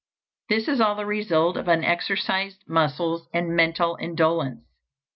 This is all the result of unexercised muscles and mental indolence.